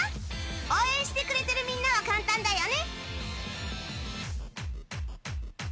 応援してくれてるみんなは簡単だよね？